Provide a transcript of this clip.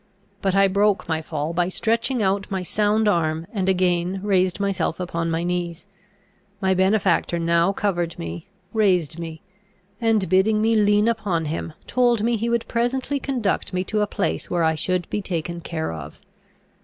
But I broke my fall by stretching out my sound arm, and again raised myself upon my knees. My benefactor now covered me, raised me, and, bidding me lean upon him, told me he would presently conduct me to a place where I should be taken care of.